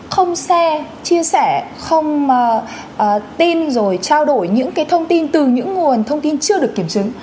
không xe chia sẻ không tin rồi trao đổi những thông tin từ những nguồn thông tin chưa được kiểm chứng